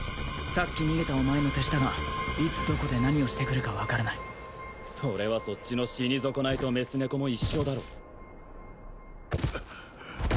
さっき逃げたお前の手下がいつどこで何をしてくるか分からないそれはそっちの死にぞこないとメス猫も一緒だろ